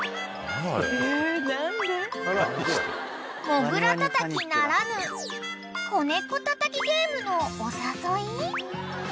［モグラたたきならぬ子猫たたきゲームのお誘い？］